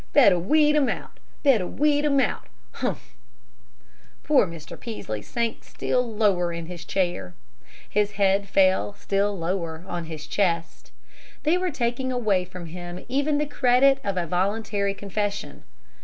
Better weed him out, better weed him out! Humph!" Poor Mr. Peaslee sank still lower in his chair; his head fell still lower on his chest. They were taking away from him even the credit of voluntary confession.